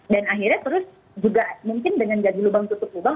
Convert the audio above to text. dan akhirnya terus juga mungkin dengan gaji lubang tutup lubang